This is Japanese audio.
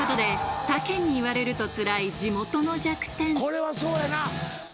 これはそうやな。